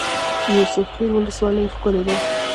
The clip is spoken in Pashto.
یوسف خیل ولسوالۍ ښکلې ده؟